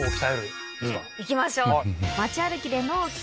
いきましょう。